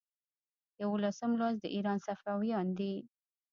یوولسم لوست د ایران صفویان دي.